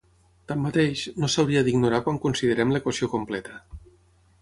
Tanmateix, no s'hauria d'ignorar quan considerem l'equació completa.